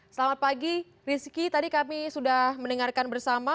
selamat pagi rizky tadi kami sudah mendengarkan bersama